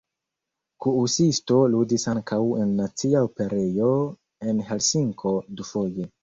Kuusisto ludis ankaŭ en nacia operejo en Helsinko dufoje.